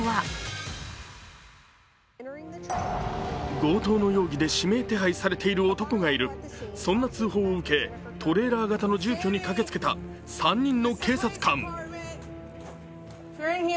強盗の容疑で指名手配されている男がいる、そんな通報を受け、トレーラー型の住居に駆けつけた３人の警察官。